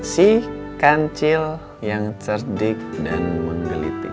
si kancil yang cerdik dan menggelitik